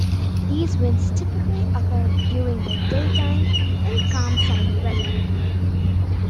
These winds typically occur during the daytime in calm sunny weather.